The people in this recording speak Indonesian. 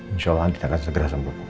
insyaallah nanti akan segera sembuh